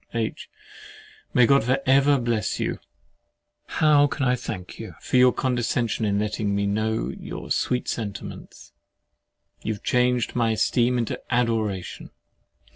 H. May God for ever bless you! How can I thank you for your condescension in letting me know your sweet sentiments? You have changed my esteem into adoration.